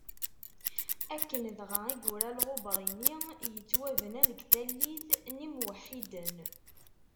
Akken dɣa i yura Lɣubrini, tettwabna deg tallit n yimweḥḥiden.